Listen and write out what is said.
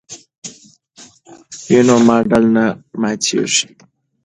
که مقوا وي نو ماډل نه ماتیږي.